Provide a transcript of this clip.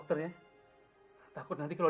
hehehe aku mohon ya allah